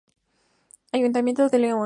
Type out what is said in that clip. Ayuntamiento de León.